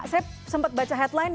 saya sempat baca headline